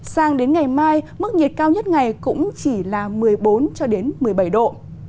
sang đến ngày mai mức nhiệt cao nhất ngày cũng chỉ là một mươi bốn một mươi bảy độ